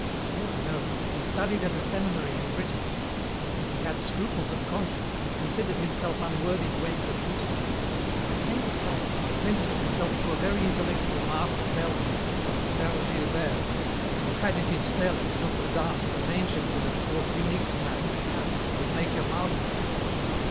All I know is that he studied at a seminary in Brittany, that he had scruples of conscience and considered himself unworthy to enter the priesthood, that he came to Paris and apprenticed himself to a very intellectual master bell ringer, Père Gilbert, who had in his cell at Notre Dame some ancient and of course unique plans of Paris that would make your mouth water.